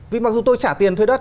vì mặc dù tôi trả tiền thuê đất